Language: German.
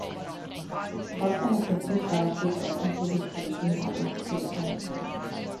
Trotz seiner Kritik war er stets offen für Gespräche mit der Amtskirche.